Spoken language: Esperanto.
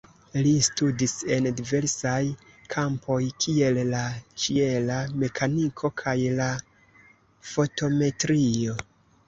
Li studis en diversaj kampoj kiel la ĉiela mekaniko kaj la fotometrio.